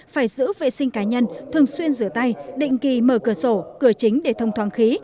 phải giữ vệ sinh cá nhân thường xuyên rửa tay định kỳ mở cửa sổ cửa chính để thông thoáng khí